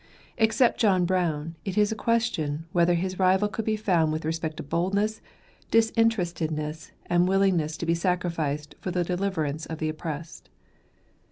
Except John Brown, it is a question, whether his rival could be found with respect to boldness, disinterestedness and willingness to be sacrificed for the deliverance of the oppressed.